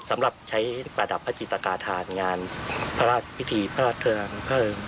สำหรับใช้ประดับพระจิตกาธานงานพระราชพิธีพระราชเทิงพระเริง